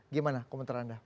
gimana komentar anda